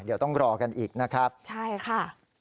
เดี๋ยวต้องรอกันอีกนะครับใช่ค่ะ